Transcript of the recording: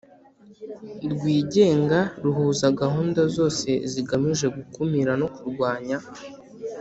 Rwigenga ruhuza gahunda zose zigamije gukumira no kurwanya